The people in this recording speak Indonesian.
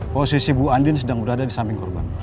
posisi bu andin sedang berada di samping korban